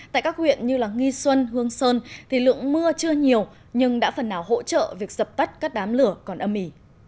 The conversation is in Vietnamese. tại các huyện như nghi xuân hương sơn thì lượng mưa chưa nhiều nhưng đã phần nào hỗ trợ việc dập tắt các đám lửa còn âm ỉ